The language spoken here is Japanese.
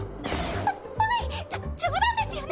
ぱぱい⁉じょ冗談ですよね